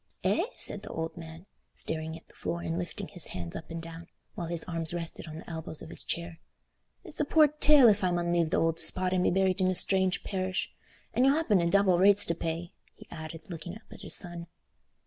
"Eh," said the old man, staring at the floor and lifting his hands up and down, while his arms rested on the elbows of his chair, "it's a poor tale if I mun leave th' ould spot an be buried in a strange parish. An' you'll happen ha' double rates to pay," he added, looking up at his son.